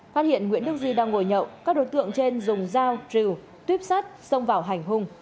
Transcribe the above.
phát hiện nguyễn đức duy đang ngồi nhậu các đối tượng trên dùng dao trù tuyếp sắt xông vào hành hung